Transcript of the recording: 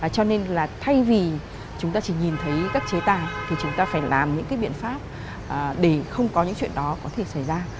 cho nên là thay vì chúng ta chỉ nhìn thấy các chế tài thì chúng ta phải làm những cái biện pháp để không có những chuyện đó có thể xảy ra